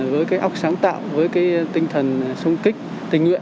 với cái óc sáng tạo với cái tinh thần sống kích tình nguyện